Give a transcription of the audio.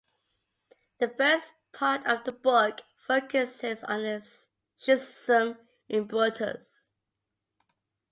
The first part of the book focuses on this schism in Brutus